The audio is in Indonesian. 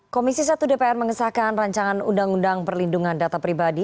komisi satu dpr mengesahkan rancangan undang undang perlindungan data pribadi